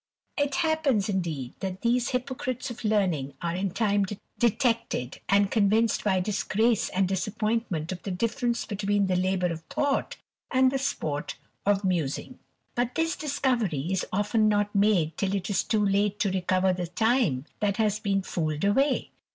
It happens, indeed, that these hypocrites of learning are in time detected, and convinced by disgrace and disappoint ment of the difference between the labour of thought, and the sport of musing. But this discovery is often not made tJU it is too !ate to recover the time that has been fooled away.